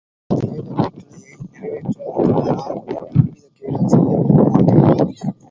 தேவ கட்டளையை நிறைவேற்ற வந்துள்ள நான் உனக்கு எவ்விதக் கேடும் செய்ய விரும்பமாட்டேன்.